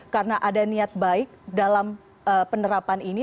karena ada niat baik dalam penerapan ini